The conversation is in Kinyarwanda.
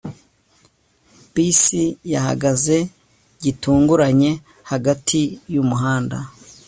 bisi yahagaze gitunguranye hagati yumuhanda